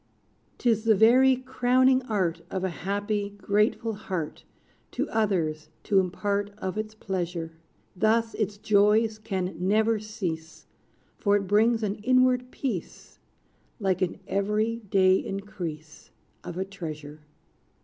'Tis the very crowning art Of a happy, grateful heart To others to impart Of its pleasure. Thus its joys can never cease, For it brings an inward peace, Like an every day increase Of a treasure.